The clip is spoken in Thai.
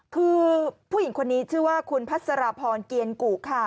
คือผู้หญิงคนนี้ชื่อว่าคุณพัสรพรเกียรกุค่ะ